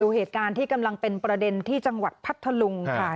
เหตุการณ์ที่กำลังเป็นประเด็นที่จังหวัดพัทธลุงค่ะ